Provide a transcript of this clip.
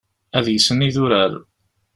Ad yesni idurar.